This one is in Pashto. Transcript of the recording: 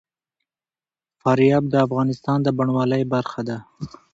فاریاب د افغانستان د بڼوالۍ برخه ده.